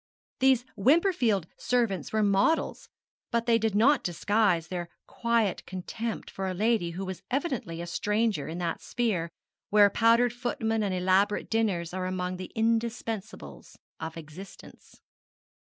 These Wimperfield servants were models; but they did not disguise their quiet contempt for a lady who was evidently a stranger in that sphere where powdered footmen and elaborate dinners are among the indispensables of existence.